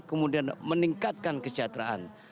kemudian meningkatkan kesejahteraan